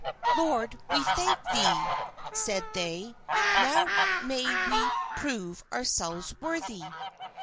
"Lord, we thank thee," said they; "now may we prove ourselves worthy."